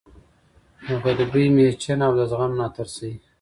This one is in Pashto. د غریبۍ مېچن او د زغم ناترسۍ